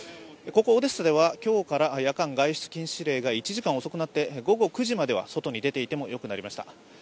ここオデッサでは今日から夜間外出禁止令が１時間遅くなって、午後９時までは外に出ていてもよくなりました。